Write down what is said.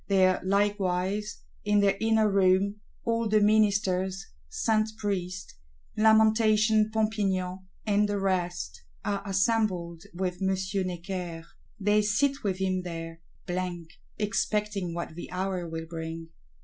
There likewise, in their inner room, "all the Ministers," Saint Priest, Lamentation Pompignan and the rest, are assembled with M. Necker: they sit with him there; blank, expecting what the hour will bring.